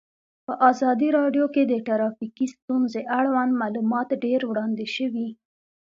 په ازادي راډیو کې د ټرافیکي ستونزې اړوند معلومات ډېر وړاندې شوي.